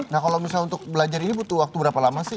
nah kalau misalnya untuk belajar ini butuh waktu berapa lama sih